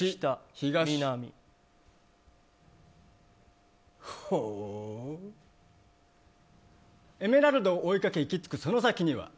北南エメラルドを追いかけ行きつくその先には。